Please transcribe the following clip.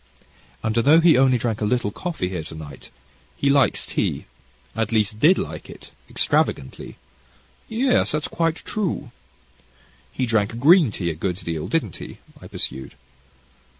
"And although he only drank a little coffee here to night, he likes tea, at least, did like it extravagantly." "Yes, that's quite true." "He drank green tea, a good deal, didn't he?" I pursued.